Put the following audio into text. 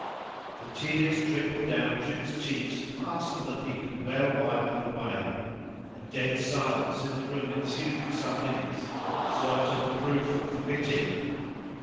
—— —The tears trickled down Trim's cheeks faster than he could well wipe them away.—A dead silence in the room ensued for some minutes.—Certain proof of pity!